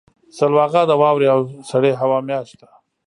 سلواغه د واورې او سړې هوا میاشت ده.